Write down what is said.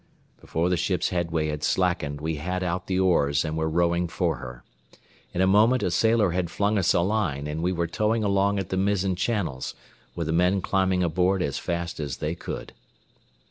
Before the ship's headway had slackened we had out the oars and were rowing for her. In a moment a sailor had flung us a line, and we were towing along at the mizzen channels, with the men climbing aboard as fast as they could.